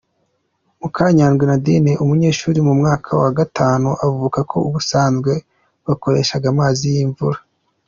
Mukanyandwi Nadine umunyeshuri mu mwaka wa gatanu, avuga ko ubusanzwe bakoreshaga amazi y’imvura.